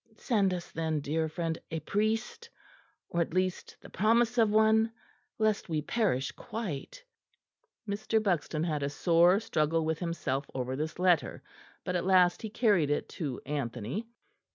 Send us then, dear friend, a priest, or at least the promise of one; lest we perish quite." Mr. Buxton had a sore struggle with himself over this letter; but at last he carried it to Anthony.